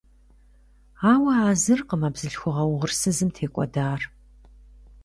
Ауэ а зыркъым а бзылъхугьэ угъурсызым текӏуэдар.